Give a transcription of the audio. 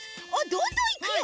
どんどんいくよ。